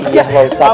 iya pak ustadz